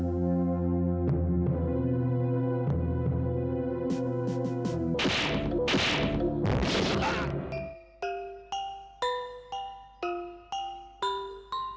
mempertimbangkan kemampuan dan pemilikan senjata kita